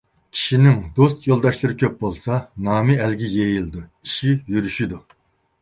كىشىنىڭ دوست يولداشلىرى كۆپ بولسا، نامى ئەلگە يېيىلىدۇ، ئىشى يۈرۈشىدۇ.